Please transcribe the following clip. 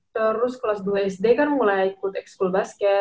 terus kelas dua sd kan mulai ikut ex school basket